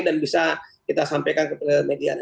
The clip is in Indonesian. dan bisa kita sampaikan ke media